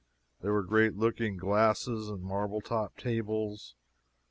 There were great looking glasses and marble top tables.